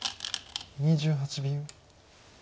２８秒。